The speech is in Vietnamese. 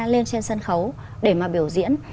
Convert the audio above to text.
lên trên sân khấu để mà biểu diễn